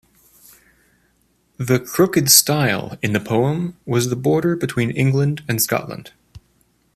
The "crooked stile" in the poem was the border between England and Scotland.